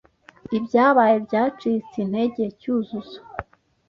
Ibyabaye byacitse intege Cyuzuzo.